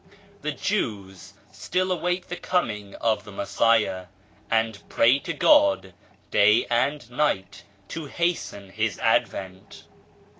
The Jews still await the coming of the Messiah, and pray to God day and night to hasten His advent.